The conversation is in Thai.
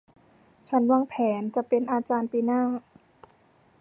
ฉันวางแผนจะเป็นอาจารย์ปีหน้า